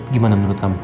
gimana menurut kamu